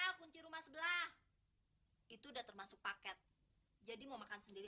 hai nah kunci rumah sebelah itu udah termasuk paket jadi mau makan sendiri